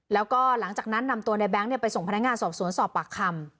แล้วก็หลังจากนั้นนำตัวในแบงค์ไปส่งพนักงานสอบสวนสอบปากคำ